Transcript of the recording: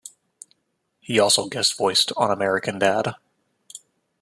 He also guest-voiced on American Dad!